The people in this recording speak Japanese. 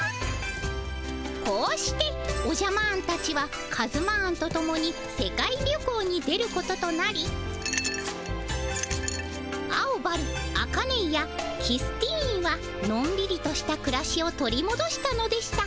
こうしておじゃマーンたちはカズマーンとともに世界旅行に出ることとなりアオバルアカネイアキスティーンはのんびりとしたくらしを取りもどしたのでした。